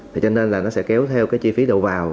thì cho nên là nó sẽ kéo theo cái chi phí đầu vào